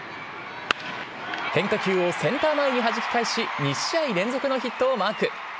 変化球をセンター前にはじき返し２試合連続のヒットをマーク。